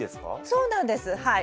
そうなんですはい。